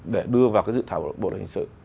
để đưa vào cái dự thảo bộ luật hình sự